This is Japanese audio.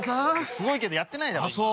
すごいけどやってないだろ今。